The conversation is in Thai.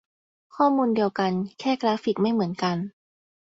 ข้อมูลเดียวกัน แค่กราฟิกไม่เหมือนกัน